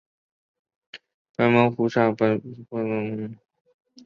白毛茎虎耳草为虎耳草科虎耳草属下的一个种。